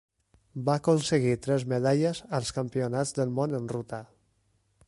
Va aconseguir tres medalles als Campionats del Món en ruta.